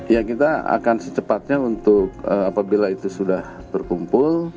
ya kita akan secepatnya untuk apabila itu sudah berkumpul